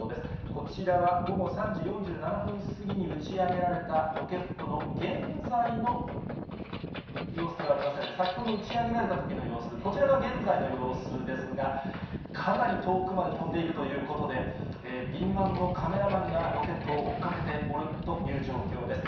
こちらは午後３時４７分過ぎに打ち上げられたロケットの現在の様子ではありませんね、先ほど打ち上げられたときの様子、こちらが現在の様子ですが、かなり遠くまで飛んでいるということで、敏腕のカメラマンがロケットを追っかけておるという状況です。